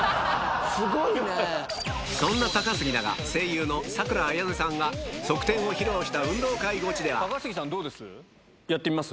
そんな高杉だが声優の佐倉綾音さんが側転を披露した運動会ゴチではやってみます？